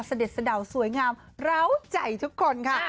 แสดดเหล่าสวยงามเดาใจทุกคนค่ะ